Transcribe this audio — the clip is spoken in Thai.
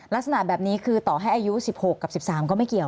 ลักษณะแบบนี้คือต่อให้อายุ๑๖กับ๑๓ก็ไม่เกี่ยว